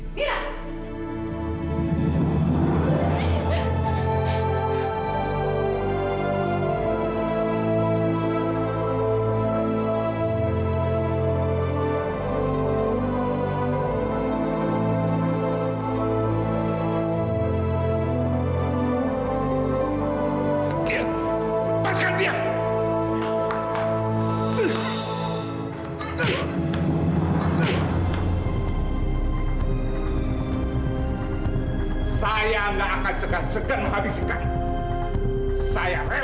mama apa apaan sih wan